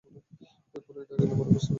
এখনি না গেলে পরে পস্তাবি।